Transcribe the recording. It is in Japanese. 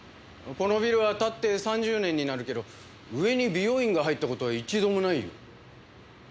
このビルは建って３０年になるけど上に美容院が入った事は一度もないよ。